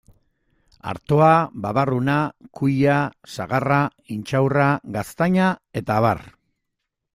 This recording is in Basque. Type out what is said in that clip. Artoa, babarruna, kuia, sagarra, intxaurra, gaztaina eta abar.